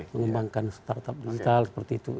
mengembangkan startup digital seperti itu